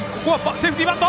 セーフティーバント！